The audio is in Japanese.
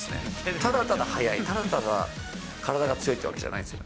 ただただ速い、ただただ体が強いっていうわけじゃないんですよ。